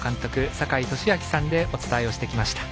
坂井利彰さんでお伝えをしてきました。